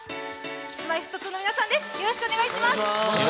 Ｋｉｓ−Ｍｙ−Ｆｔ２の皆さんです。